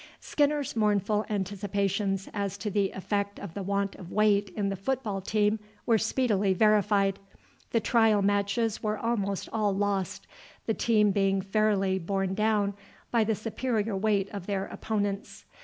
Skinner's mournful anticipations as to the effect of the want of weight in the football team were speedily verified. The trial matches were almost all lost, the team being fairly borne down by the superior weight of their opponents.